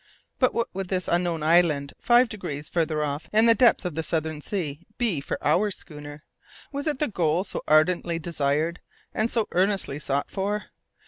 But what would this unknown island, five degrees farther off in the depths of the southern sea, be for our schooner? Was it the goal so ardently desired and so earnestly sought for?